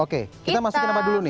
oke kita masukin nama dulu nih